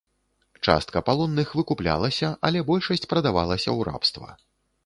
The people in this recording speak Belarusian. Частка палонных выкуплялася, але большасць прадавалася ў рабства.